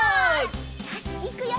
よしいくよ！